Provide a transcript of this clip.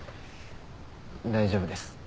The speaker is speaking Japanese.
大丈夫です。